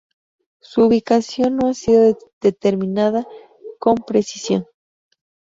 Su ubicación no ha sido determinada con precisión.